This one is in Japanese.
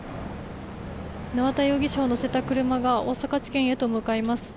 縄田容疑者を乗せた車が大阪地検へと向かいます。